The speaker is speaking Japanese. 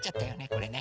これね。